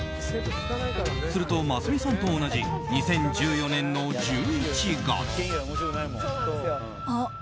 すると、ますみさんと同じ２０１４年の１１月。